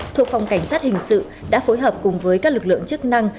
thuộc phòng cảnh sát hình sự đã phối hợp cùng với các lực lượng chức năng